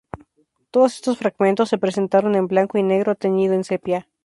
Todos estos fragmentos se presentaron en blanco y negro teñido en sepia.